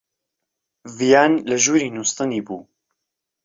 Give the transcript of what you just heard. ڤیان لە ژووری نووستنی بوو.